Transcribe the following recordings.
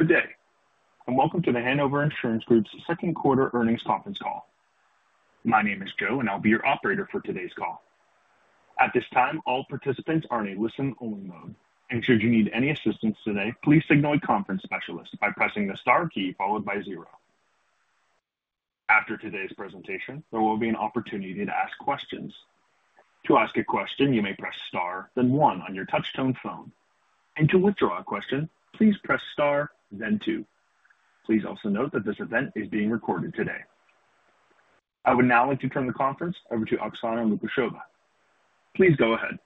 Good day and welcome to The Hanover Insurance Group's second quarter earnings conference call. My name is Joe, and I'll be your operator for today's call. At this time, all participants are in a listen-only mode. Should you need any assistance today, please signal a conference specialist by pressing the star key followed by zero. After today's presentation, there will be an opportunity to ask questions. To ask a question, you may press star, then one on your touch-tone phone. To withdraw a question, please press star, then two. Please also note that this event is being recorded today. I would now like to turn the conference over to Oksana Lukasheva. Please go ahead.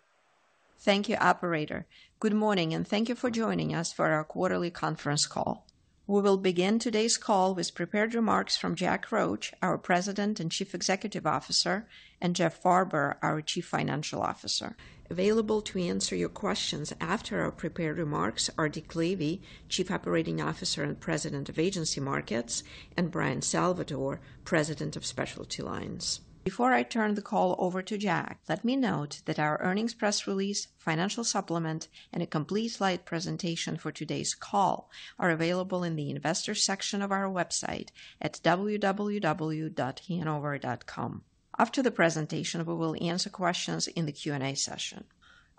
Thank you, operator. Good morning, and thank you for joining us for our quarterly conference call. We will begin today's call with prepared remarks from Jack Roche, our President and Chief Executive Officer, and Jeff Farber, our Chief Financial Officer. Available to answer your questions after our prepared remarks are Dick Lavey, Chief Operating Officer and President of Agency Markets, and Bryan Salvatore, President of Specialty Lines. Before I turn the call over to Jack, let me note that our earnings press release, financial supplement, and a complete slide presentation for today's call are available in the investors' section of our website at www.hanover.com. After the presentation, we will answer questions in the Q&A session.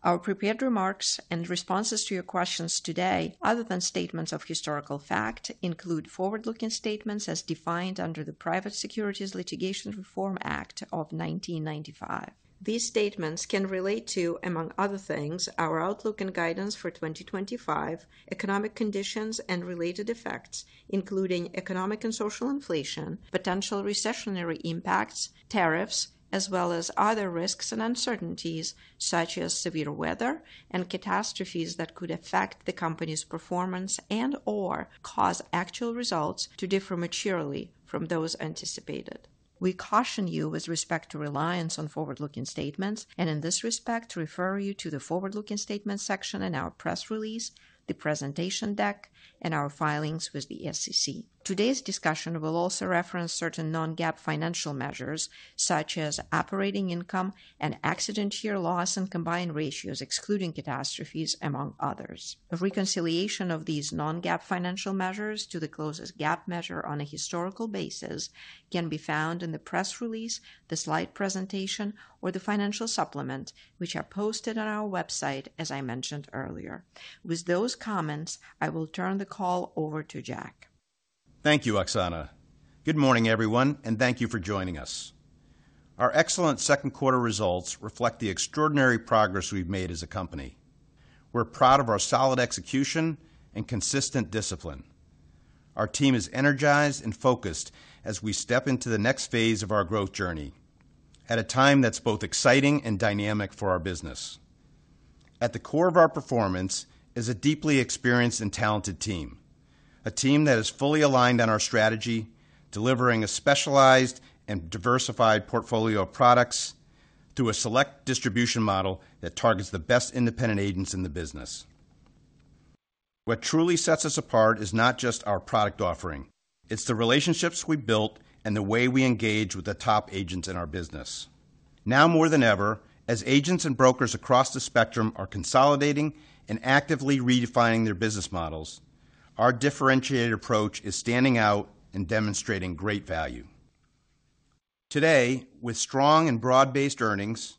Our prepared remarks and responses to your questions today, other than statements of historical fact, include forward-looking statements as defined under the Private Securities Litigation Reform Act of 1995. These statements can relate to, among other things, our outlook and guidance for 2025, economic conditions and related effects, including economic and social inflation, potential recessionary impacts, tariffs, as well as other risks and uncertainties, such as severe weather and catastrophes that could affect the company's performance and/or cause actual results to differ materially from those anticipated. We caution you with respect to reliance on forward-looking statements, and in this respect, refer you to the forward-looking statements section in our press release, the presentation deck, and our filings with the SEC. Today's discussion will also reference certain non-GAAP financial measures, such as operating income and accident year loss and combined ratios, excluding catastrophes, among others. A reconciliation of these non-GAAP financial measures to the closest GAAP measure on a historical basis can be found in the press release, the slide presentation, or the financial supplement, which are posted on our website, as I mentioned earlier. With those comments, I will turn the call over to Jack. Thank you, Oksana. Good morning, everyone, and thank you for joining us. Our excellent second quarter results reflect the extraordinary progress we've made as a company. We're proud of our solid execution and consistent discipline. Our team is energized and focused as we step into the next phase of our growth journey at a time that's both exciting and dynamic for our business. At the core of our performance is a deeply experienced and talented team, a team that is fully aligned on our strategy, delivering a specialized and diversified portfolio of products through a select distribution model that targets the best independent agents in the business. What truly sets us apart is not just our product offering, it's the relationships we've built and the way we engage with the top agents in our business. Now more than ever, as agents and brokers across the spectrum are consolidating and actively redefining their business models, our differentiated approach is standing out and demonstrating great value. Today, with strong and broad-based earnings,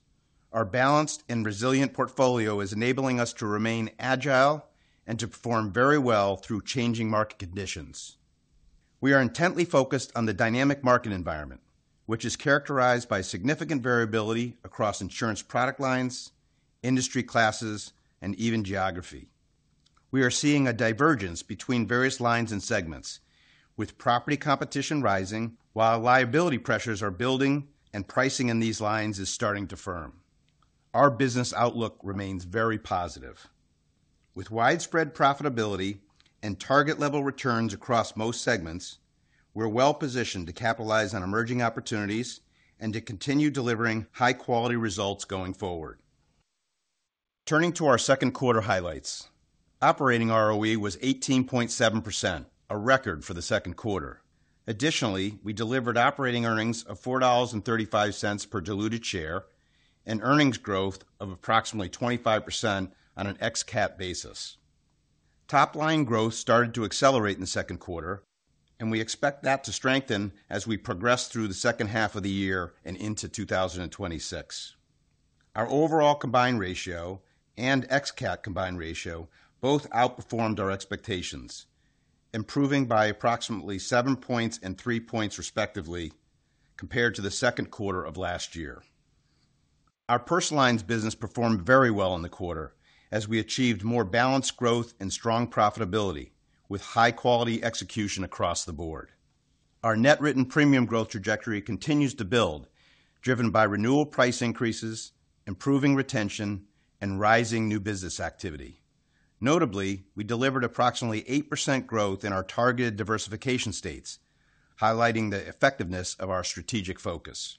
our balanced and resilient portfolio is enabling us to remain agile and to perform very well through changing market conditions. We are intently focused on the dynamic market environment, which is characterized by significant variability across insurance product lines, industry classes, and even geography. We are seeing a divergence between various lines and segments, with property competition rising while liability pressures are building and pricing in these lines is starting to firm. Our business outlook remains very positive. With widespread profitability and target-level returns across most segments, we're well-positioned to capitalize on emerging opportunities and to continue delivering high-quality results going forward. Turning to our second quarter highlights, operating ROE was 18.7%, a record for the second quarter. Additionally, we delivered operating earnings of $4.35 per diluted share and earnings growth of approximately 25% on an ex-catastrophe basis. Top-line growth started to accelerate in the second quarter, and we expect that to strengthen as we progress through the second half of the year and into 2026. Our overall combined ratio and ex-catastrophe combined ratio both outperformed our expectations, improving by approximately seven points and three points respectively compared to the second quarter of last year. Our personal lines business performed very well in the quarter as we achieved more balanced growth and strong profitability with high-quality execution across the board. Our net written premium growth trajectory continues to build, driven by renewal price increases, improving retention, and rising new business activity. Notably, we delivered approximately 8% growth in our targeted diversification states, highlighting the effectiveness of our strategic focus.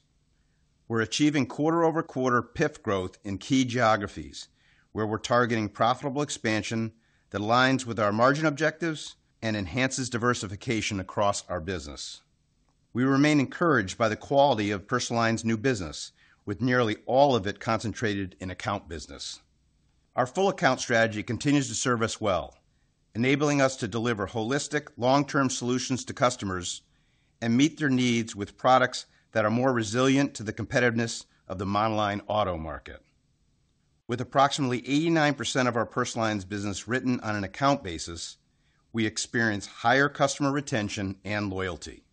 We're achieving quarter-over-quarter PIF growth in key geographies where we're targeting profitable expansion that aligns with our margin objectives and enhances diversification across our business. We remain encouraged by the quality of personal lines' new business, with nearly all of it concentrated in account business. Our full account strategy continues to serve us well, enabling us to deliver holistic long-term solutions to customers and meet their needs with products that are more resilient to the competitiveness of the monoline auto market. With approximately 89% of our personal lines' business written on an account basis, we experience higher customer retention and loyalty.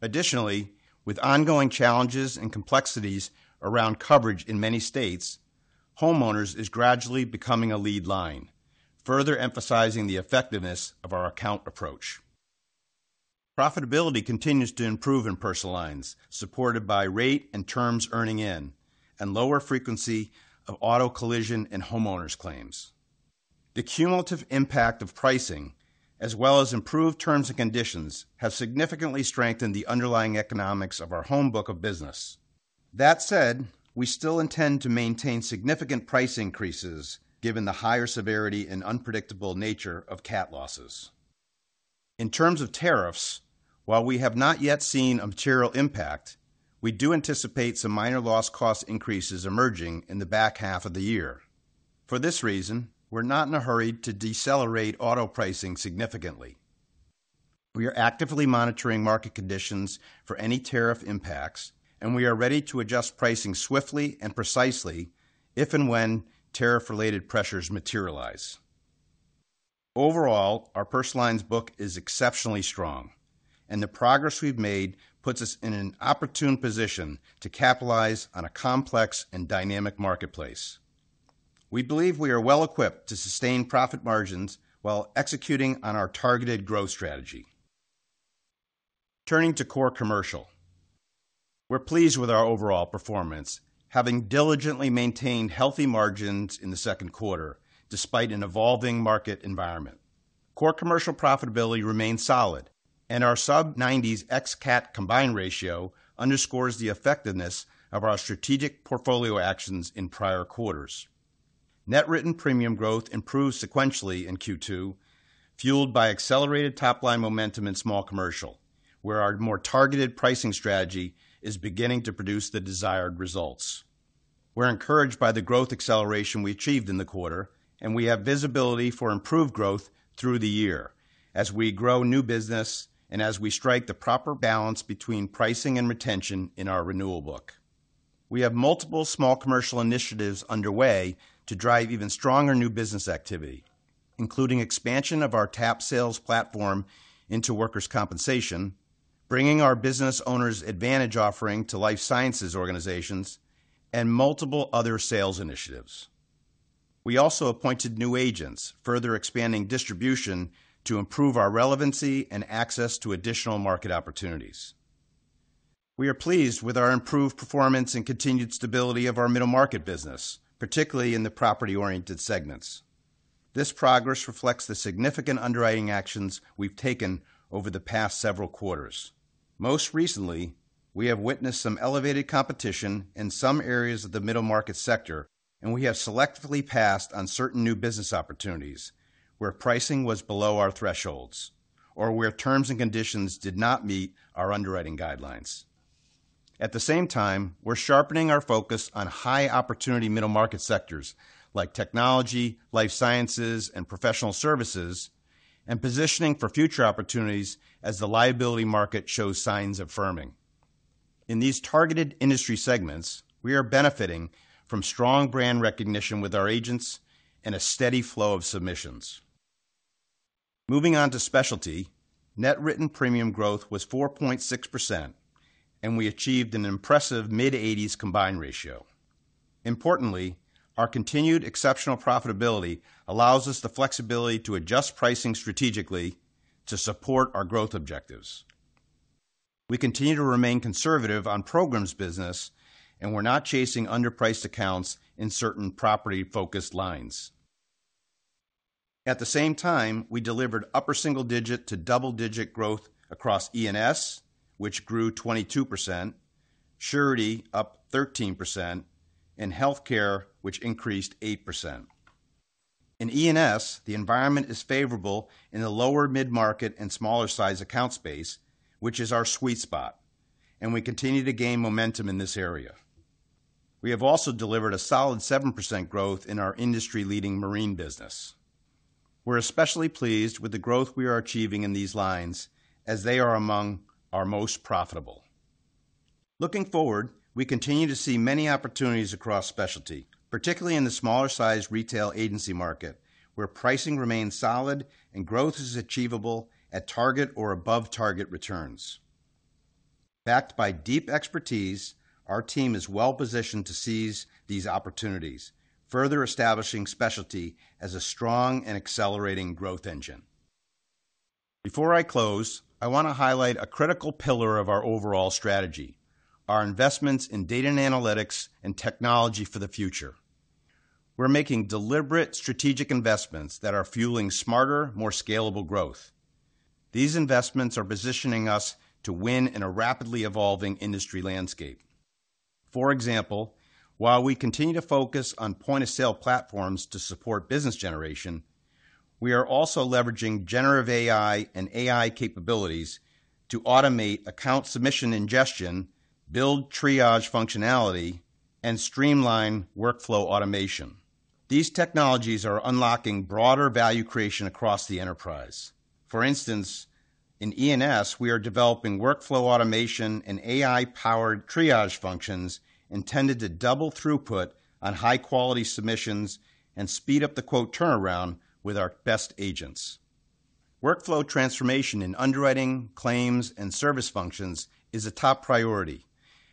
Additionally, with ongoing challenges and complexities around coverage in many states, Homeowners is gradually becoming a lead line, further emphasizing the effectiveness of our account approach. Profitability continues to improve in personal lines, supported by rate and terms earning in and lower frequency of auto collision and Homeowners' claims. The cumulative impact of pricing, as well as improved terms and conditions, have significantly strengthened the underlying economics of our home book of business. That said, we still intend to maintain significant price increases given the higher severity and unpredictable nature of CAT losses. In terms of tariffs, while we have not yet seen a material impact, we do anticipate some minor loss cost increases emerging in the back half of the year. For this reason, we're not in a hurry to decelerate auto pricing significantly. We are actively monitoring market conditions for any tariff impacts, and we are ready to adjust pricing swiftly and precisely if and when tariff-related pressures materialize. Overall, our personal lines' book is exceptionally strong, and the progress we've made puts us in an opportune position to capitalize on a complex and dynamic marketplace. We believe we are well-equipped to sustain profit margins while executing on our targeted growth strategy. Turning to core commercial, we're pleased with our overall performance, having diligently maintained healthy margins in the second quarter despite an evolving market environment. Core commercial profitability remains solid, and our sub-90s ex-catastrophe combined ratio underscores the effectiveness of our strategic portfolio actions in prior quarters. Net written premium growth improved sequentially in Q2, fueled by accelerated top-line momentum in small commercial, where our more targeted pricing strategy is beginning to produce the desired results. We're encouraged by the growth acceleration we achieved in the quarter, and we have visibility for improved growth through the year as we grow new business and as we strike the proper balance between pricing and retention in our renewal book. We have multiple small commercial initiatives underway to drive even stronger new business activity, including expansion of our TAP sales platform into workers' compensation, bringing our business owners' advantage offering to life sciences organizations, and multiple other sales initiatives. We also appointed new agents, further expanding distribution to improve our relevancy and access to additional market opportunities. We are pleased with our improved performance and continued stability of our middle market business, particularly in the property-oriented segments. This progress reflects the significant underwriting actions we've taken over the past several quarters. Most recently, we have witnessed some elevated competition in some areas of the middle market sector, and we have selectively passed on certain new business opportunities where pricing was below our thresholds or where terms and conditions did not meet our underwriting guidelines. At the same time, we're sharpening our focus on high-opportunity middle market sectors like technology, life sciences, and professional services, and positioning for future opportunities as the liability market shows signs of firming. In these targeted industry segments, we are benefiting from strong brand recognition with our agents and a steady flow of submissions. Moving on to specialty, net written premium growth was 4.6%, and we achieved an impressive mid-80s combined ratio. Importantly, our continued exceptional profitability allows us the flexibility to adjust pricing strategically to support our growth objectives. We continue to remain conservative on programs' business, and we're not chasing underpriced accounts in certain property-focused lines. At the same time, we delivered upper single-digit to double-digit growth across E&S, which grew 22%, surety up 13%, and healthcare, which increased 8%. In E&S, the environment is favorable in the lower mid-market and smaller size account space, which is our sweet spot, and we continue to gain momentum in this area. We have also delivered a solid 7% growth in our industry-leading marine business. We're especially pleased with the growth we are achieving in these lines as they are among our most profitable. Looking forward, we continue to see many opportunities across specialty, particularly in the smaller size retail agency market where pricing remains solid and growth is achievable at target or above target returns. Backed by deep expertise, our team is well-positioned to seize these opportunities, further establishing specialty as a strong and accelerating growth engine. Before I close, I want to highlight a critical pillar of our overall strategy: our investments in data and analytics and technology for the future. We're making deliberate strategic investments that are fueling smarter, more scalable growth. These investments are positioning us to win in a rapidly evolving industry landscape. For example, while we continue to focus on point-of-sale platforms to support business generation, we are also leveraging generative AI and AI capabilities to automate account submission ingestion, build triage functionality, and streamline workflow automation. These technologies are unlocking broader value creation across the enterprise. For instance, in E&S, we are developing workflow automation and AI-powered triage functions intended to double throughput on high-quality submissions and speed up the quote turnaround with our best agents. Workflow transformation in underwriting, claims, and service functions is a top priority,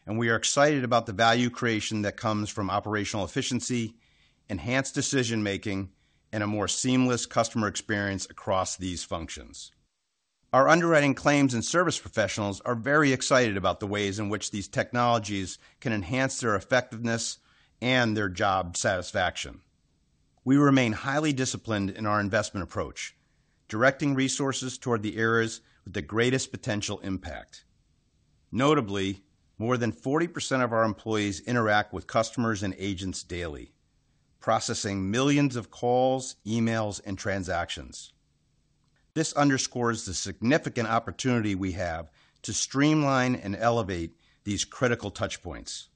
and we are excited about the value creation that comes from operational efficiency, enhanced decision-making, and a more seamless customer experience across these functions. Our underwriting, claims, and service professionals are very excited about the ways in which these technologies can enhance their effectiveness and their job satisfaction. We remain highly disciplined in our investment approach, directing resources toward the areas with the greatest potential impact. Notably, more than 40% of our employees interact with customers and agents daily, processing millions of calls, emails, and transactions. This underscores the significant opportunity we have to streamline and elevate these critical touchpoints.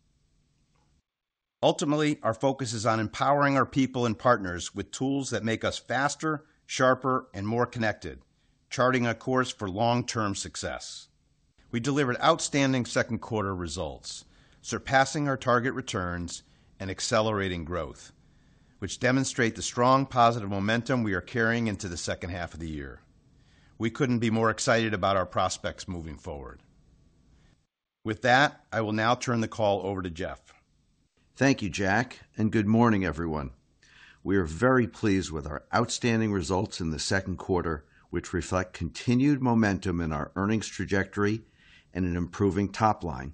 Ultimately, our focus is on empowering our people and partners with tools that make us faster, sharper, and more connected, charting a course for long-term success. We delivered outstanding second quarter results, surpassing our target returns and accelerating growth, which demonstrate the strong positive momentum we are carrying into the second half of the year. We couldn't be more excited about our prospects moving forward. With that, I will now turn the call over to Jeff. Thank you, Jack, and good morning, everyone. We are very pleased with our outstanding results in the second quarter, which reflect continued momentum in our earnings trajectory and an improving top line.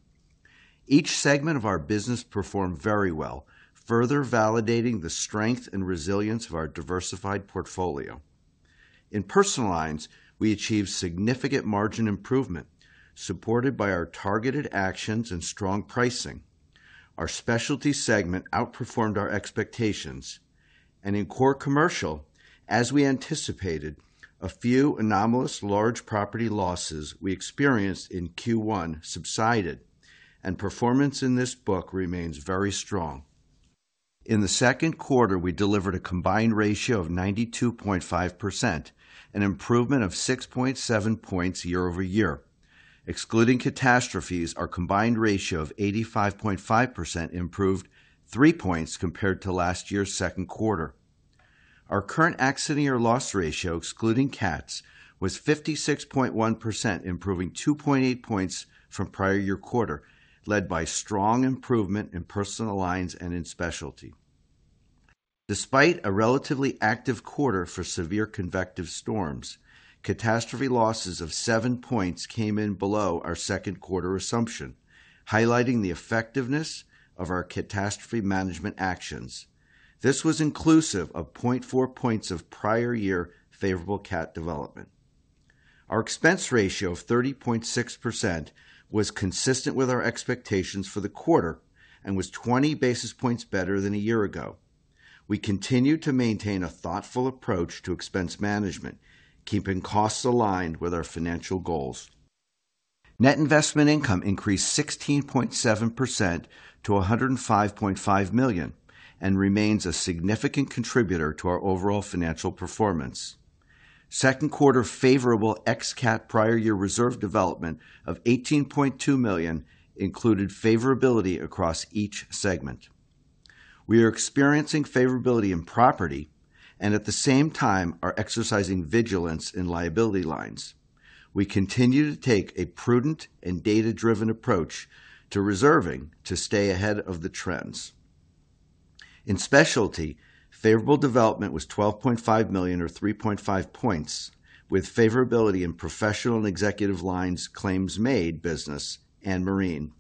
Each segment of our business performed very well, further validating the strength and resilience of our diversified portfolio. In personal lines, we achieved significant margin improvement, supported by our targeted actions and strong pricing. Our specialty segment outperformed our expectations, and in core commercial, as we anticipated, a few anomalous large property losses we experienced in Q1 subsided, and performance in this book remains very strong. In the second quarter, we delivered a combined ratio of 92.5%, an improvement of 6.7 points year-over-year. Excluding catastrophes, our combined ratio of 85.5% improved three points compared to last year's second quarter. Our current accident year loss ratio, excluding CATs, was 56.1%, improving 2.8 points from prior year quarter, led by strong improvement in personal lines and in specialty. Despite a relatively active quarter for severe convective storms, catastrophe losses of seven points came in below our second quarter assumption, highlighting the effectiveness of our catastrophe management actions. This was inclusive of 0.4 points of prior year favorable CAT development. Our expense ratio of 30.6% was consistent with our expectations for the quarter and was 20 basis points better than a year ago. We continue to maintain a thoughtful approach to expense management, keeping costs aligned with our financial goals. Net investment income increased 16.7% to $105.5 million and remains a significant contributor to our overall financial performance. Second quarter favorable ex-catastrophe prior year reserve development of $18.2 million included favorability across each segment. We are experiencing favorability in property and at the same time are exercising vigilance in liability lines. We continue to take a prudent and data-driven approach to reserving to stay ahead of the trends. In specialty, favorable development was $12.5 million or 3.5 points, with favorability in professional and executive lines, claims made business, and marine.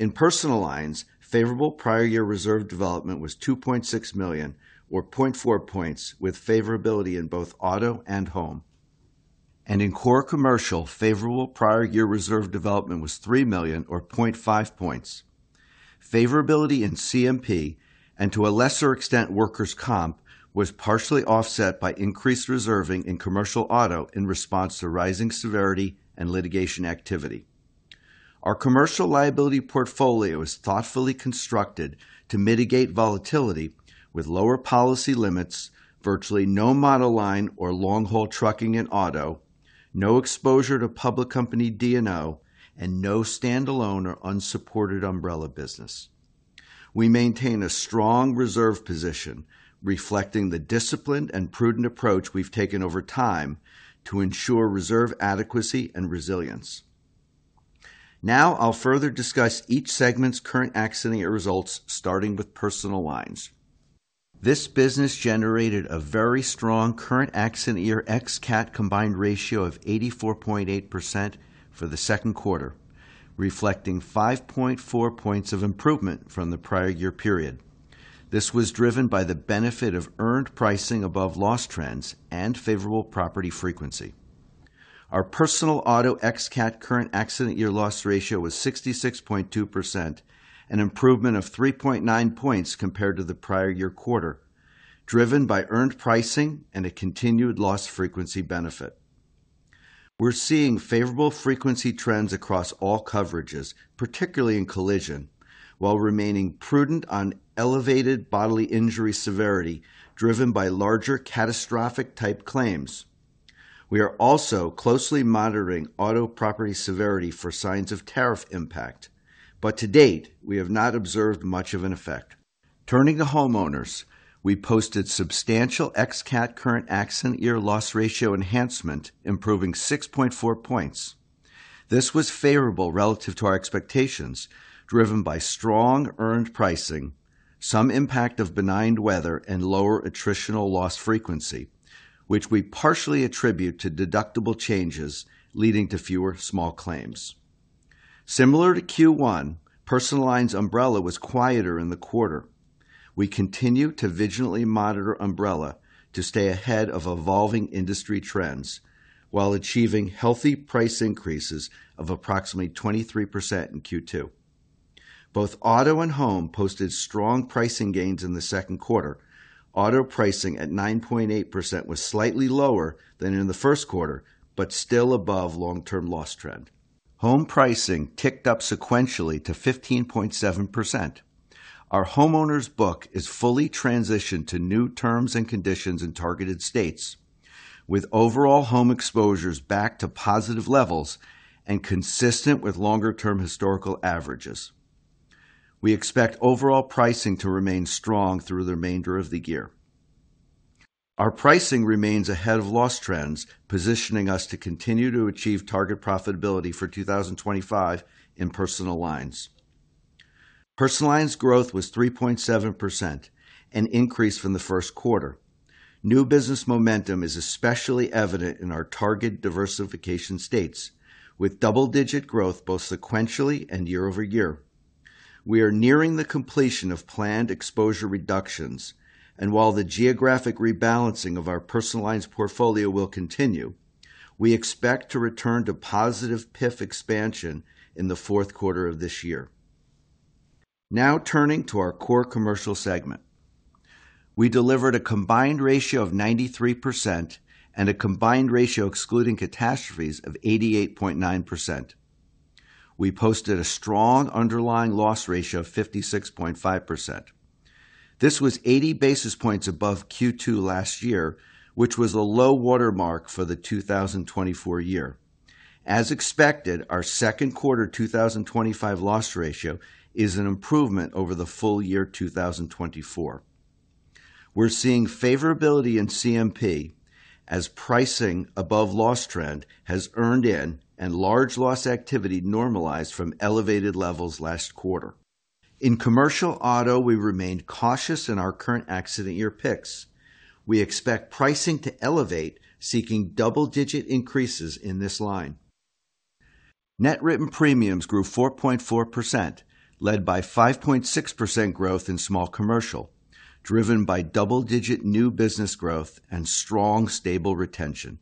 In personal lines, favorable prior year reserve development was $2.6 million or 0.4 points, with favorability in both auto and home. In core commercial, favorable prior year reserve development was $3 million or 0.5 points. Favorability in CMP and, to a lesser extent, workers' comp was partially offset by increased reserving in commercial auto in response to rising severity and litigation activity. Our commercial liability portfolio is thoughtfully constructed to mitigate volatility with lower policy limits, virtually no model line or long-haul trucking in auto, no exposure to public company D&O, and no standalone or unsupported umbrella business. We maintain a strong reserve position, reflecting the disciplined and prudent approach we've taken over time to ensure reserve adequacy and resilience. Now, I'll further discuss each segment's current accident year results, starting with personal lines. This business generated a very strong current accident year ex-catastrophe combined ratio of 84.8% for the second quarter, reflecting 5.4 points of improvement from the prior year period. This was driven by the benefit of earned pricing above loss trends and favorable property frequency. Our personal auto ex-catastrophe current accident year loss ratio was 66.2%, an improvement of 3.9 points compared to the prior year quarter, driven by earned pricing and a continued loss frequency benefit. We're seeing favorable frequency trends across all coverages, particularly in collision, while remaining prudent on elevated bodily injury severity driven by larger catastrophic type claims. We are also closely monitoring auto property severity for signs of tariff impact, but to date, we have not observed much of an effect. Turning to homeowners, we posted substantial ex-catastrophe current accident year loss ratio enhancement, improving 6.4 points. This was favorable relative to our expectations, driven by strong earned pricing, some impact of benign weather, and lower attritional loss frequency, which we partially attribute to deductible changes leading to fewer small claims. Similar to Q1, personal lines umbrella was quieter in the quarter. We continue to vigilantly monitor umbrella to stay ahead of evolving industry trends while achieving healthy price increases of approximately 23% in Q2. Both auto and home posted strong pricing gains in the second quarter. Auto pricing at 9.8% was slightly lower than in the first quarter, but still above long-term loss trend. Home pricing ticked up sequentially to 15.7%. Our homeowners book is fully transitioned to new terms and conditions in targeted states, with overall home exposures back to positive levels and consistent with longer-term historical averages. We expect overall pricing to remain strong through the remainder of the year. Our pricing remains ahead of loss trends, positioning us to continue to achieve target profitability for 2025 in personal lines. Personal lines growth was 3.7%, an increase from the first quarter. New business momentum is especially evident in our target diversification states, with double-digit growth both sequentially and year-over-year. We are nearing the completion of planned exposure reductions, and while the geographic rebalancing of our personal lines portfolio will continue, we expect to return to positive PIF expansion in the fourth quarter of this year. Now turning to our core commercial segment, we delivered a combined ratio of 93% and a combined ratio excluding catastrophes of 88.9%. We posted a strong underlying loss ratio of 56.5%. This was 80 basis points above Q2 last year, which was a low watermark for the 2024 year. As expected, our second quarter 2025 loss ratio is an improvement over the full year 2024. We're seeing favorability in CMP as pricing above loss trend has earned in and large loss activity normalized from elevated levels last quarter. In commercial auto, we remain cautious in our current accident year picks. We expect pricing to elevate, seeking double-digit increases in this line. Net written premiums grew 4.4%, led by 5.6% growth in small commercial, driven by double-digit new business growth and strong stable retention.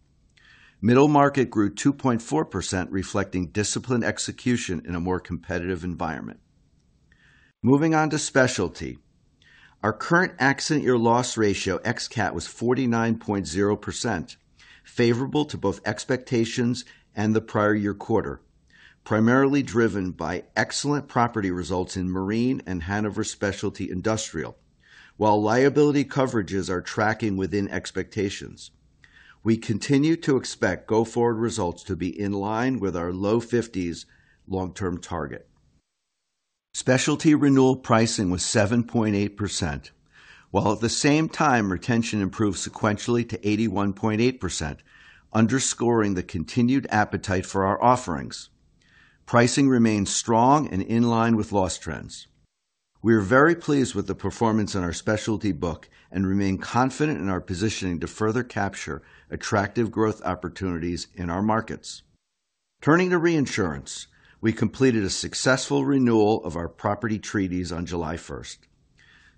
Middle market grew 2.4%, reflecting disciplined execution in a more competitive environment. Moving on to specialty, our current accident year loss ratio ex-catastrophe was 49.0%, favorable to both expectations and the prior year quarter, primarily driven by excellent property results in Marine and Hanover Specialty Industrial, while liability coverages are tracking within expectations. We continue to expect go-forward results to be in line with our low 50s long-term target. Specialty renewal pricing was 7.8%, while at the same time retention improved sequentially to 81.8%, underscoring the continued appetite for our offerings. Pricing remains strong and in line with loss trends. We are very pleased with the performance in our specialty book and remain confident in our positioning to further capture attractive growth opportunities in our markets. Turning to reinsurance, we completed a successful renewal of our property treaties on July 1st.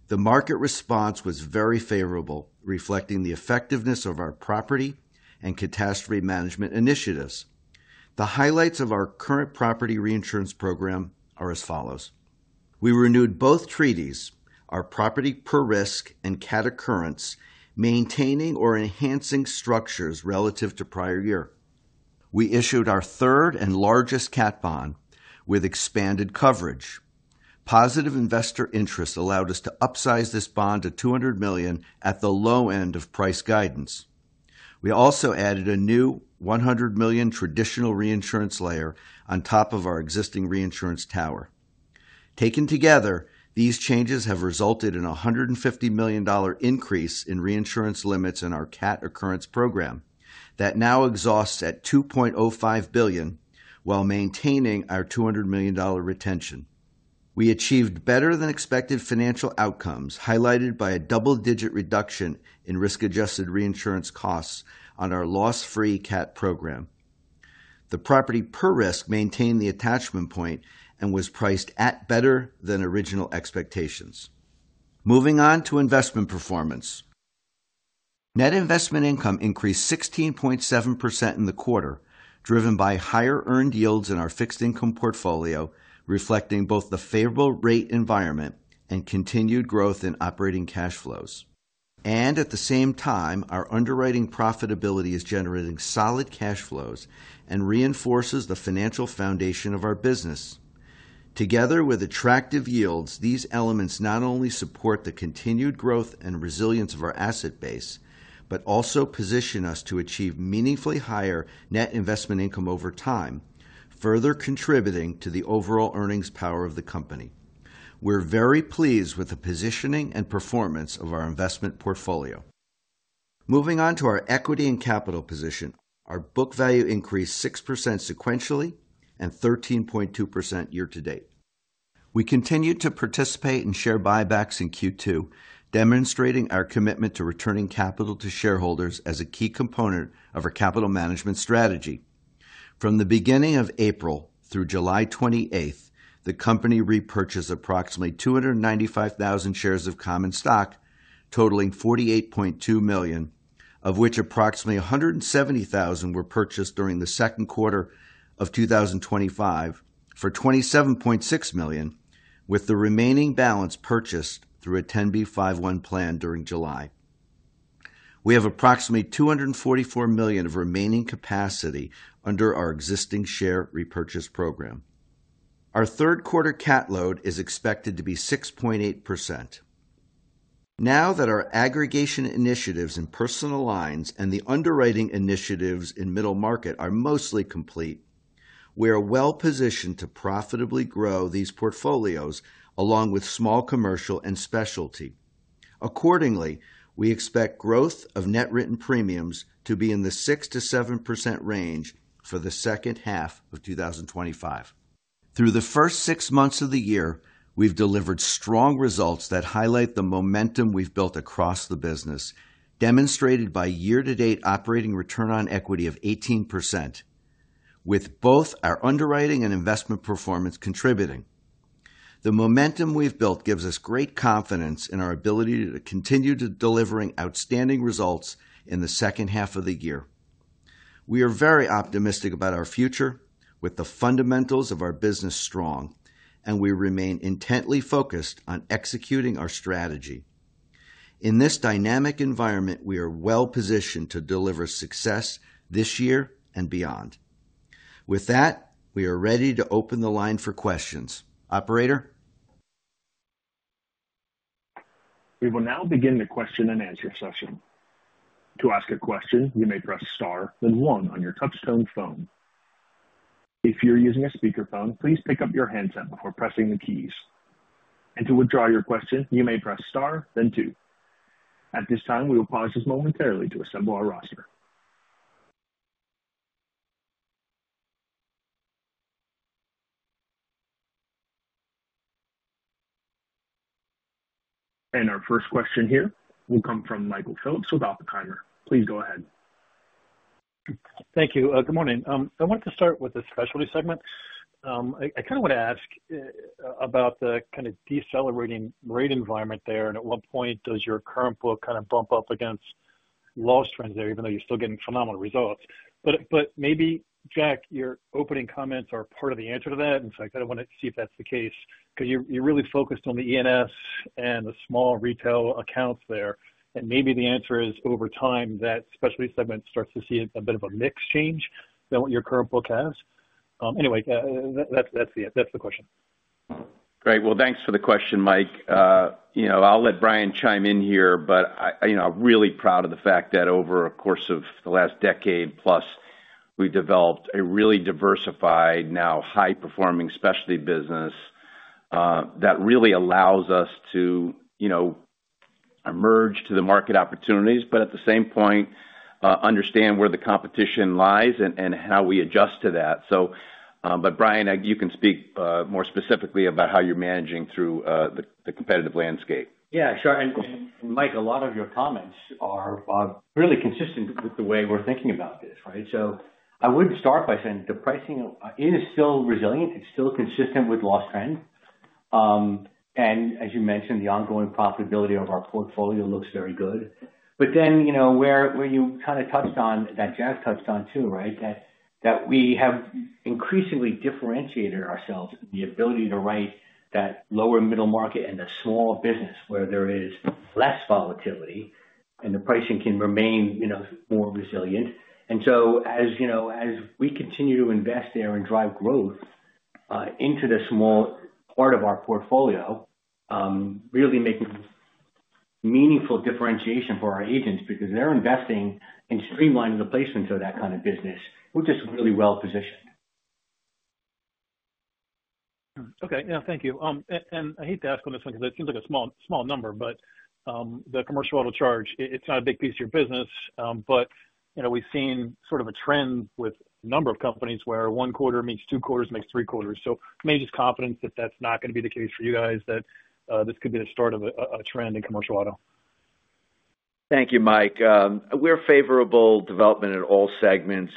The market response was very favorable, reflecting the effectiveness of our property and catastrophe management initiatives. The highlights of our current property reinsurance program are as follows. We renewed both treaties, our property per risk and catastrophe occurrence, maintaining or enhancing structures relative to the prior year. We issued our third and largest catastrophe bond with expanded coverage. Positive investor interest allowed us to upsize this bond to $200 million at the low end of price guidance. We also added a new $100 million traditional reinsurance layer on top of our existing reinsurance tower. Taken together, these changes have resulted in a $150 million increase in reinsurance limits in our catastrophe occurrence program that now exhausts at $2.05 billion, while maintaining our $200 million retention. We achieved better than expected financial outcomes highlighted by a double-digit reduction in risk-adjusted reinsurance costs on our loss-free catastrophe program. The property per risk maintained the attachment point and was priced at better than original expectations. Moving on to investment performance, net investment income increased 16.7% in the quarter, driven by higher earned yields in our fixed income portfolio, reflecting both the favorable rate environment and continued growth in operating cash flows. At the same time, our underwriting profitability is generating solid cash flows and reinforces the financial foundation of our business. Together with attractive yields, these elements not only support the continued growth and resilience of our asset base, but also position us to achieve meaningfully higher net investment income over time, further contributing to the overall earnings power of the company. We're very pleased with the positioning and performance of our investment portfolio. Moving on to our equity and capital position, our book value increased 6% sequentially and 13.2% year-to-date. We continued to participate in share repurchases in Q2, demonstrating our commitment to returning capital to shareholders as a key component of our capital management strategy. From the beginning of April through July 28th, the company repurchased approximately 295,000 shares of common stock, totaling $48.2 million, of which approximately 170,000 were purchased during the second quarter of 2025 for $27.6 million, with the remaining balance purchased through a 10b5-1 plan during July. We have approximately $244 million of remaining capacity under our existing share repurchase program. Our third quarter CAT load is expected to be 6.8%. Now that our aggregation initiatives in personal lines and the underwriting initiatives in middle market are mostly complete, we are well-positioned to profitably grow these portfolios along with small commercial and specialty. Accordingly, we expect growth of net written premiums to be in the 6%-7% range for the second half of 2025. Through the first six months of the year, we've delivered strong results that highlight the momentum we've built across the business, demonstrated by year-to-date operating return on equity of 18%, with both our underwriting and investment performance contributing. The momentum we've built gives us great confidence in our ability to continue delivering outstanding results in the second half of the year. We are very optimistic about our future, with the fundamentals of our business strong, and we remain intently focused on executing our strategy. In this dynamic environment, we are well-positioned to deliver success this year and beyond. With that, we are ready to open the line for questions. Operator? We will now begin the question and answer session. To ask a question, you may press star, then one on your touchstone phone. If you're using a speakerphone, please pick up your headset before pressing the keys. To withdraw your question, you may press star, then two. At this time, we will pause momentarily to assemble our roster. Our first question will come from Michael Phillips with Oppenheimer. Please go ahead. Thank you. Good morning. I wanted to start with the specialty segment. I want to ask about the decelerating rate environment there, and at what point does your current book bump up against loss trends there, even though you're still getting phenomenal results? Maybe, Jack, your opening comments are part of the answer to that, and I want to see if that's the case, because you're really focused on the E&S and the small retail accounts there. Maybe the answer is, over time, that specialty segment starts to see a bit of a mixed change than what your current book has. Anyway, that's the question. Great. Thanks for the question, Mike. I'll let Bryan chime in here, but I'm really proud of the fact that over the course of the last decade plus, we've developed a really diversified, now high-performing specialty business that really allows us to merge to the market opportunities, but at the same point, understand where the competition lies and how we adjust to that. Bryan, you can speak more specifically about how you're managing through the competitive landscape. Yeah, sure. Mike, a lot of your comments are really consistent with the way we're thinking about this, right? I would start by saying the pricing is still resilient. It's still consistent with loss trends. As you mentioned, the ongoing profitability of our portfolio looks very good. You kind of touched on that, Jeff touched on too, right, that we have increasingly differentiated ourselves in the ability to write that lower middle market and the small business where there is less volatility and the pricing can remain more resilient. As we continue to invest there and drive growth into the small part of our portfolio, really making meaningful differentiation for our agents because they're investing in streamlining the placements of that kind of business, which is really well positioned. Thank you. I hate to ask on this one because it seems like a small, small number, but the commercial auto charge, it's not a big piece of your business. We've seen sort of a trend with a number of companies where one quarter meets two quarters, makes three quarters. Maybe just confidence that that's not going to be the case for you guys, that this could be the start of a trend in commercial auto? Thank you, Mike. We’re favorable development in all segments.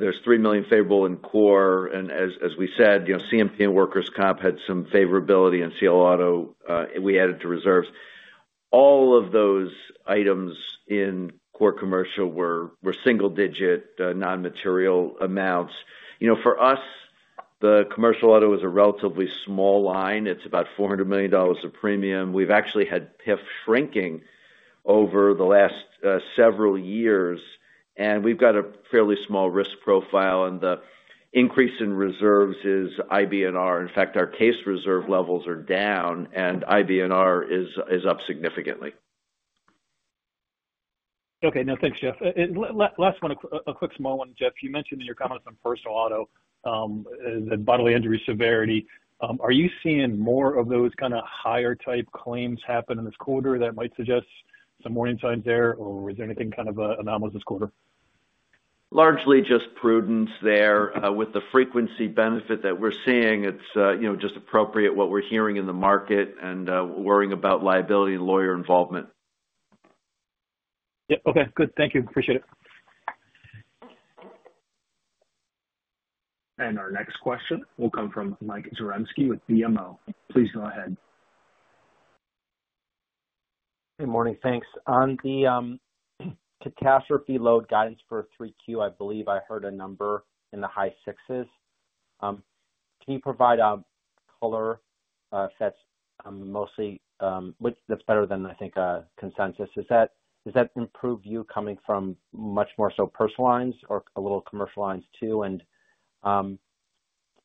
There’s $3 million favorable in core, and as we said, you know, CMP and workers’ comp had some favorability in commercial auto. We added to reserves. All of those items in core commercial were single-digit, non-material amounts. You know, for us, the commercial auto is a relatively small line. It’s about $400 million of premium. We’ve actually had PIF shrinking over the last several years, and we’ve got a fairly small risk profile, and the increase in reserves is IBNR. In fact, our case reserve levels are down, and IBNR is up significantly. Okay. No, thanks, Jeff. Last one, a quick small one, Jeff. You mentioned in your comments on personal auto, the bodily injury severity. Are you seeing more of those kind of higher type claims happen in this quarter that might suggest some warning signs there, or is there anything kind of anomalous in this quarter? Largely just prudence there. With the frequency benefit that we're seeing, it's just appropriate, what we're hearing in the market and worrying about liability and lawyer involvement. Yeah, okay. Good, thank you. Appreciate it. Our next question will come from Mike Zaremski with BMO. Please go ahead. Good morning. Thanks. On the catastrophe load guidance for 3Q, I believe I heard a number in the high sixes. Can you provide a color? I'm mostly which that's better than, I think, a consensus. Is that improved view coming from much more so personal lines or a little commercial lines too?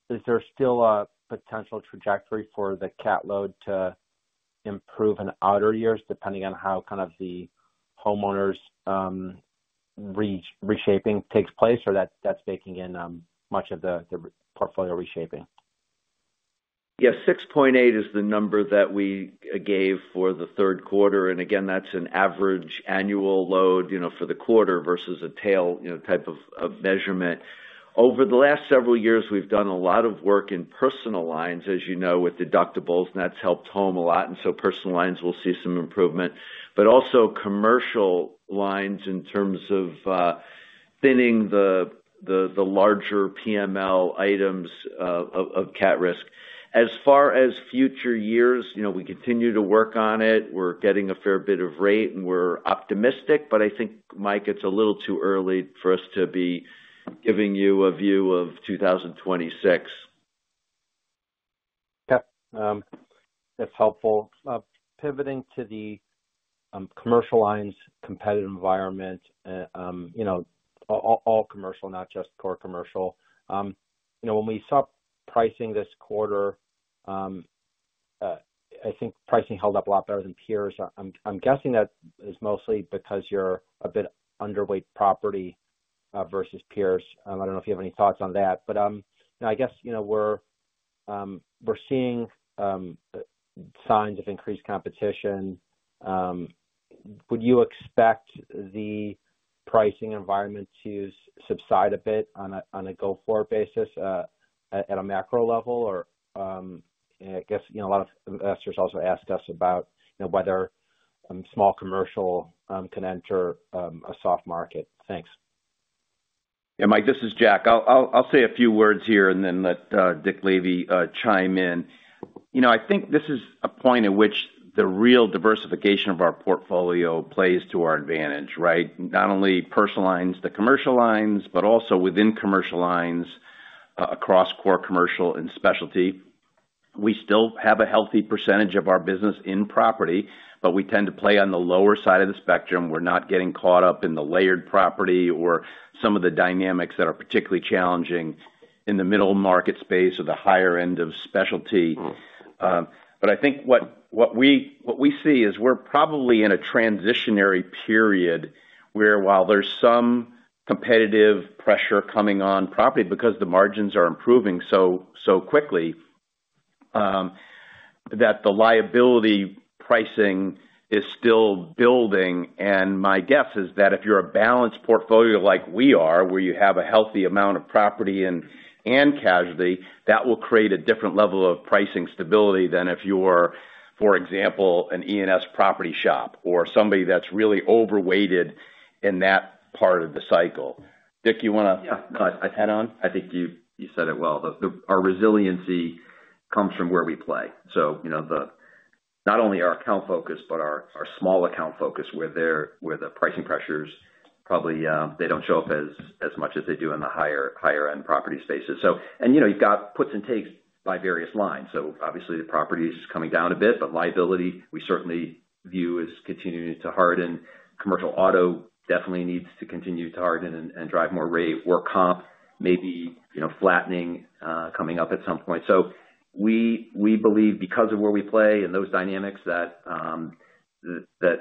Is there still a potential trajectory for the CAT load to improve in outer years depending on how kind of the homeowners reshaping takes place, or that's baking in much of the portfolio reshaping? Yeah. $6.8 million is the number that we gave for the third quarter. Again, that's an average annual load, you know, for the quarter versus a tail type of measurement. Over the last several years, we've done a lot of work in personal lines, as you know, with deductibles, and that's helped home a lot. Personal lines will see some improvement, but also commercial lines in terms of thinning the larger PML items of CAT risk. As far as future years, you know, we continue to work on it. We're getting a fair bit of rate, and we're optimistic, but I think, Mike, it's a little too early for us to be giving you a view of 2026. Okay. That's helpful. Pivoting to the commercial lines competitive environment, all commercial, not just core commercial. When we saw pricing this quarter, I think pricing held up a lot better than peers. I'm guessing that is mostly because you're a bit underweight property versus peers. I don't know if you have any thoughts on that. Now I guess we're seeing signs of increased competition. Would you expect the pricing environment to subside a bit on a go-forward basis, at a macro level? A lot of investors also ask us about whether small commercial can enter a soft market. Thanks. Yeah, Mike, this is Jack. I'll say a few words here and then let Dick Lavey chime in. I think this is a point at which the real diversification of our portfolio plays to our advantage, right? Not only personal lines to commercial lines, but also within commercial lines, across core commercial and specialty. We still have a healthy percentage of our business in property, but we tend to play on the lower side of the spectrum. We're not getting caught up in the layered property or some of the dynamics that are particularly challenging in the middle market space or the higher end of specialty. I think what we see is we're probably in a transitionary period where, while there's some competitive pressure coming on property because the margins are improving so quickly, the liability pricing is still building. My guess is that if you're a balanced portfolio like we are, where you have a healthy amount of property and casualty, that will create a different level of pricing stability than if you're, for example, an E&S property shop or somebody that's really overweighted in that part of the cycle. Dick, you want to? Yeah. No, I'd head on. I think you said it well. Our resiliency comes from where we play. Not only our account focus, but our small account focus where the pricing pressures probably don't show up as much as they do in the higher-end property spaces. You've got puts and takes by various lines. Obviously, the property is coming down a bit, but liability we certainly view as continuing to harden. Commercial auto definitely needs to continue to harden and drive more rate. Work comp may be flattening coming up at some point. We believe because of where we play and those dynamics that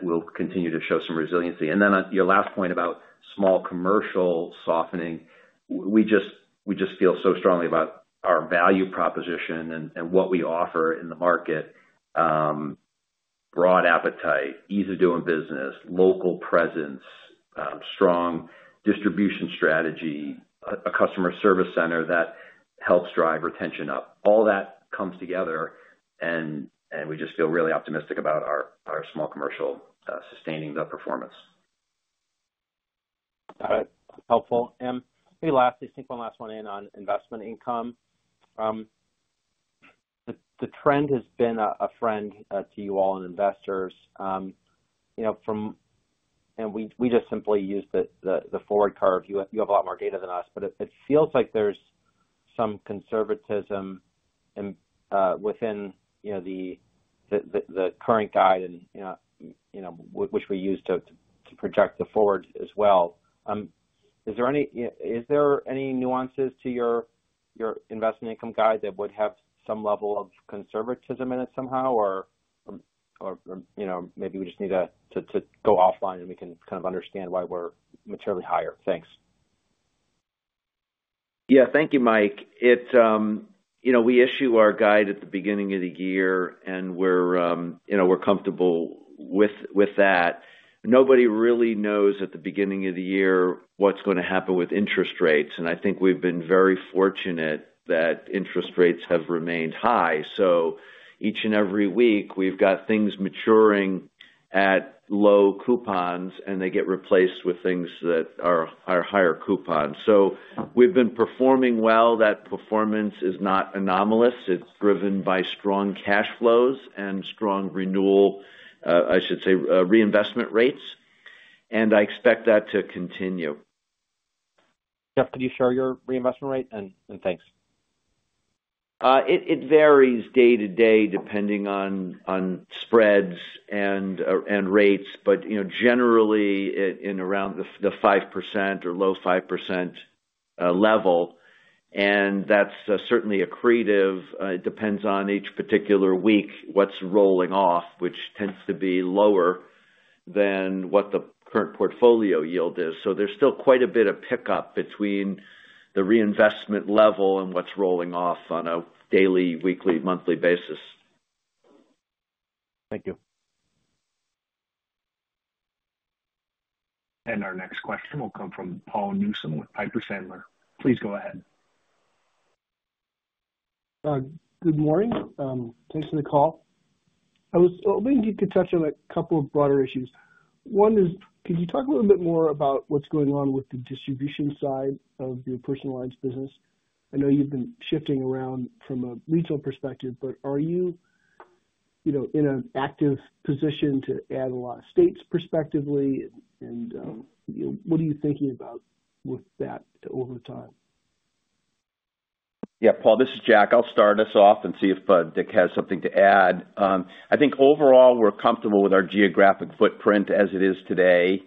we'll continue to show some resiliency. Your last point about small commercial softening, we just feel so strongly about our value proposition and what we offer in the market: broad appetite, ease of doing business, local presence, strong distribution strategy, a customer service center that helps drive retention up. All that comes together, and we just feel really optimistic about our small commercial sustaining the performance. Got it. That's helpful. Maybe lastly, sink one last one in on investment income. The trend has been a friend to you all and investors. You know, from and we just simply use the forward curve. You have a lot more data than us, but it feels like there's some conservatism within, you know, the current guide, and you know, which we use to project the forward as well. Is there any nuances to your investment income guide that would have some level of conservatism in it somehow, or maybe we just need to go offline, and we can kind of understand why we're materially higher? Thanks. Thank you, Mike. You know, we issue our guide at the beginning of the year, and we're comfortable with that. Nobody really knows at the beginning of the year what's going to happen with interest rates. I think we've been very fortunate that interest rates have remained high. Each and every week, we've got things maturing at low coupons, and they get replaced with things that are higher coupons. We've been performing well. That performance is not anomalous. It's driven by strong cash flows and strong reinvestment rates. I expect that to continue. Jeff, could you share your reinvestment rate? Thanks. It varies day to day depending on spreads and rates, but you know, generally in around the 5% or low 5% level. That's certainly accretive. It depends on each particular week what's rolling off, which tends to be lower than what the current portfolio yield is. There's still quite a bit of pickup between the reinvestment level and what's rolling off on a daily, weekly, monthly basis. Thank you. Our next question will come from Paul Newsome with Piper Sandler. Please go ahead. Good morning. Thanks for the call. I was hoping you could touch on a couple of broader issues. One is, could you talk a little bit more about what's going on with the distribution side of your personal lines business? I know you've been shifting around from a regional perspective, but are you in an active position to add a lot of states perspectively? What are you thinking about with that over time? Yeah, Paul, this is Jack. I'll start us off and see if Dick has something to add. I think overall we're comfortable with our geographic footprint as it is today.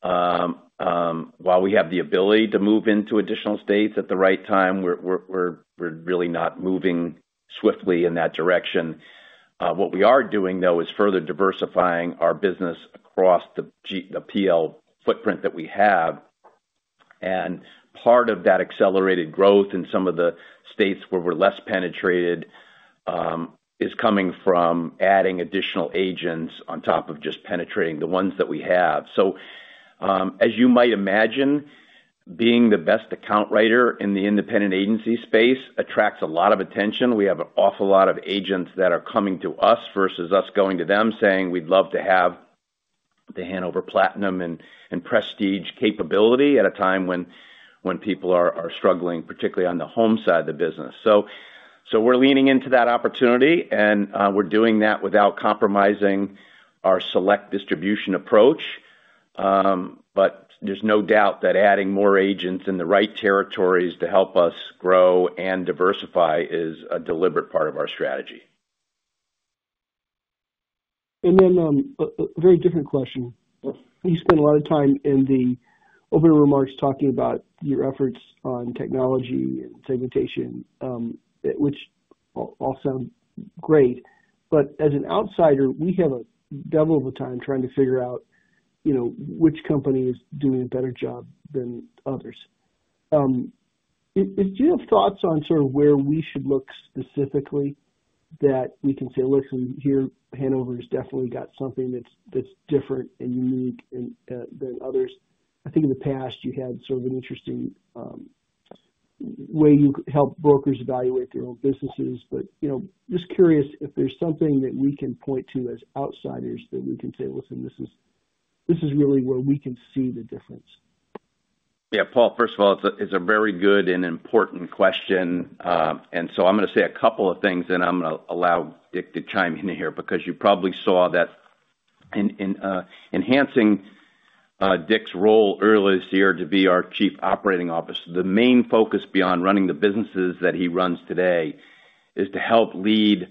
While we have the ability to move into additional states at the right time, we're really not moving swiftly in that direction. What we are doing, though, is further diversifying our business across the PL footprint that we have. Part of that accelerated growth in some of the states where we're less penetrated is coming from adding additional agents on top of just penetrating the ones that we have. As you might imagine, being the best account writer in the independent agency space attracts a lot of attention. We have an awful lot of agents that are coming to us versus us going to them saying they'd love to have the Hanover Platinum and Prestige capability at a time when people are struggling, particularly on the home side of the business. We're leaning into that opportunity, and we're doing that without compromising our select distribution approach. There's no doubt that adding more agents in the right territories to help us grow and diversify is a deliberate part of our strategy. A very different question. You spent a lot of time in the opening remarks talking about your efforts on technology and segmentation, which all sound great. As an outsider, we have a devil of a time trying to figure out, you know, which company is doing a better job than others. Do you have thoughts on sort of where we should look specifically that we can say, "Listen, here, The Hanover Insurance has definitely got something that's different and unique than others"? I think in the past, you had sort of an interesting way you helped brokers evaluate their own businesses. Just curious if there's something that we can point to as outsiders that we can say, "Listen, this is really where we can see the difference. Yeah, Paul, first of all, it's a very good and important question. I'm going to say a couple of things, and I'm going to allow Dick to chime in here because you probably saw that in enhancing Dick's role earlier this year to be our Chief Operating Officer. The main focus beyond running the businesses that he runs today is to help lead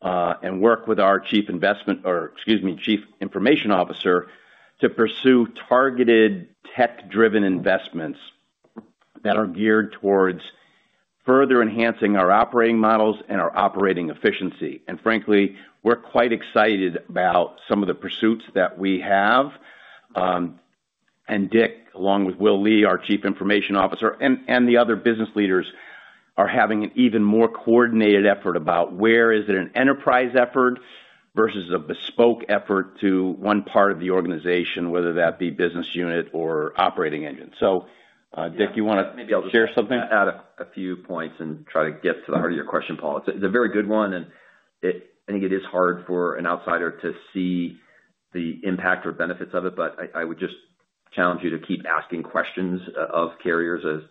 and work with our Chief Information Officer to pursue targeted tech-driven investments that are geared towards further enhancing our operating models and our operating efficiency. Frankly, we're quite excited about some of the pursuits that we have. Dick, along with Willard Lee, our Chief Information Officer, and the other business leaders, are having an even more coordinated effort about where is it an enterprise effort versus a bespoke effort to one part of the organization, whether that be business unit or operating engine. Dick, you want to share something? Maybe I'll just add a few points and try to get to the heart of your question, Paul. It's a very good one, and I think it is hard for an outsider to see the impact or benefits of it, but I would just challenge you to keep asking questions of carriers as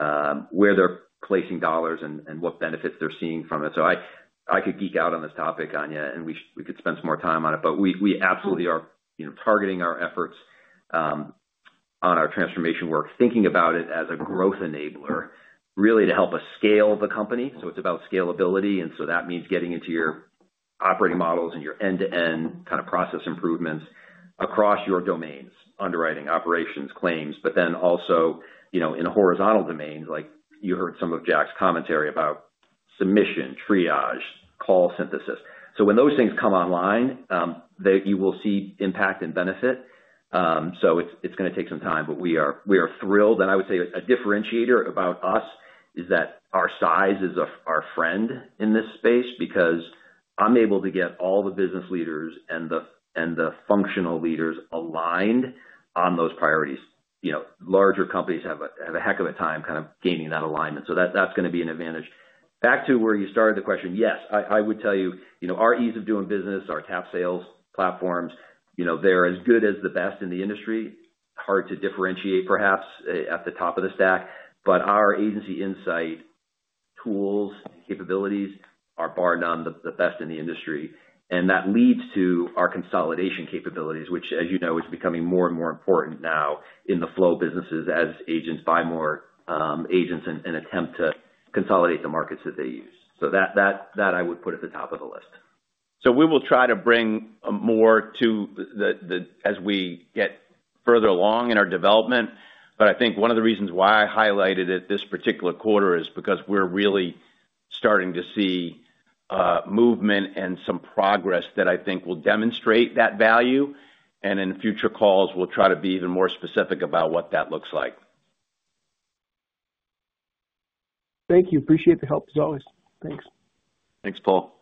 to where they're placing dollars and what benefits they're seeing from it. I could geek out on this topic with you, and we could spend some more time on it. We absolutely are targeting our efforts on our transformation work, thinking about it as a growth enabler, really to help us scale the company. It's about scalability, and that means getting into your operating models and your end-to-end kind of process improvements across your domains, underwriting, operations, claims, but then also, you know, in a horizontal domain, like you heard some of Jack's commentary about submission, triage, call synthesis. When those things come online, you will see impact and benefit. It's going to take some time, but we are thrilled. I would say a differentiator about us is that our size is our friend in this space because I'm able to get all the business leaders and the functional leaders aligned on those priorities. Larger companies have a heck of a time kind of gaining that alignment. That's going to be an advantage. Back to where you started the question, yes, I would tell you our ease of doing business, our TAP sales platform, they're as good as the best in the industry. Hard to differentiate perhaps at the top of the stack, but our agency insight tools and capabilities are bar none the best in the industry. That leads to our consolidation capabilities, which, as you know, is becoming more and more important now in the flow businesses as agents buy more agents and attempt to consolidate the markets that they use. That I would put at the top of the list. We will try to bring more to this as we get further along in our development. I think one of the reasons why I highlighted it this particular quarter is because we're really starting to see movement and some progress that I think will demonstrate that value. In future calls, we'll try to be even more specific about what that looks like. Thank you. Appreciate the help, as always. Thanks. Thanks, Paul.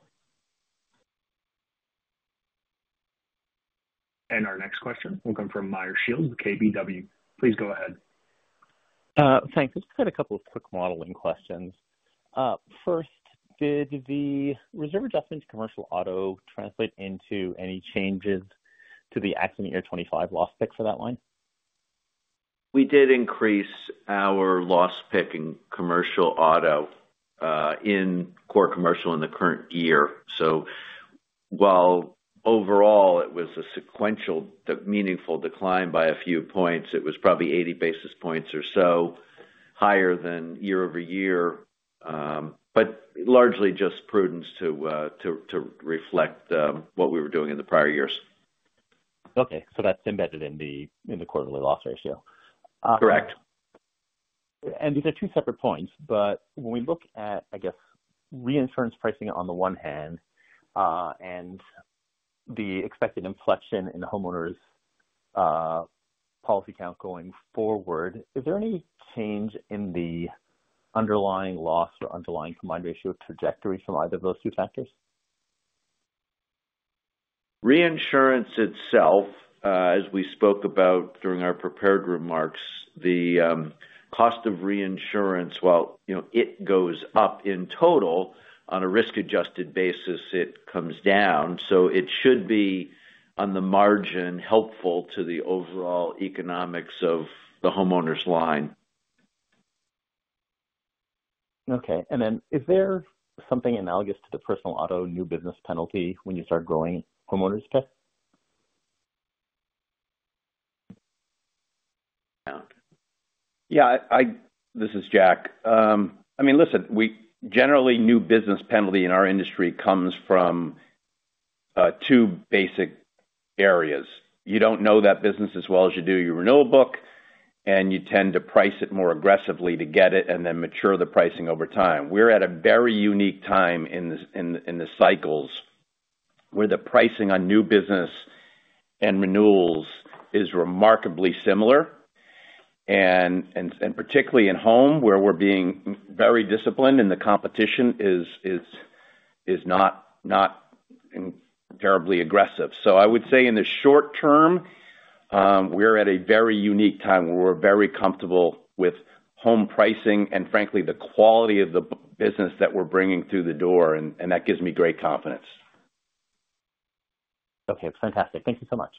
Our next question will come from Meyer Shields with KBW. Please go ahead. Thanks. I just had a couple of quick modeling questions. First, did the reserve adjustment to commercial auto translate into any changes to the accident year 2025 loss pick for that line? We did increase our loss pick in Commercial Auto, in core commercial in the current year. While overall it was a sequential meaningful decline by a few points, it was probably 80 basis points or so higher than year over year, but largely just prudence to reflect what we were doing in the prior years. Okay. That's embedded in the quarterly loss ratio. Correct. These are two separate points. When we look at, I guess, reinsurance pricing on the one hand and the expected inflection in the Homeowners policy count going forward, is there any change in the underlying loss or underlying combined ratio trajectory from either of those two factors? Reinsurance itself, as we spoke about during our prepared remarks, the cost of reinsurance, while it goes up in total, on a risk-adjusted basis, it comes down. It should be, on the margin, helpful to the overall economics of the Homeowners line. Okay. Is there something analogous to the personal auto new business penalty when you start growing Homeowners' pick? Yeah. This is Jack. I mean, listen, we generally, new business penalty in our industry comes from two basic areas. You don't know that business as well as you do your renewal book, and you tend to price it more aggressively to get it and then mature the pricing over time. We're at a very unique time in the cycles where the pricing on new business and renewals is remarkably similar, particularly in home, where we're being very disciplined and the competition is not terribly aggressive. I would say in the short term, we're at a very unique time where we're very comfortable with home pricing and, frankly, the quality of the business that we're bringing through the door. That gives me great confidence. Okay. Fantastic. Thank you so much.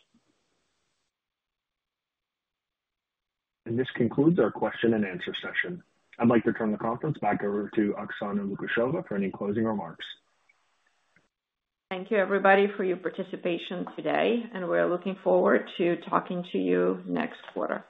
This concludes our question and answer session. I'd like to turn the conference back over to Oksana Lukasheva for any closing remarks. Thank you, everybody, for your participation today. We're looking forward to talking to you next quarter.